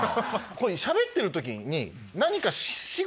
しゃべってる時に何か。